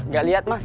gak liat mas